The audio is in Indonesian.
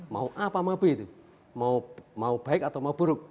mau a apa mau b itu mau baik atau mau buruk